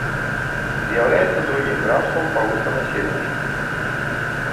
З'яўляецца другім графствам па густанаселенасці.